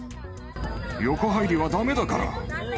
横入りはだめだから。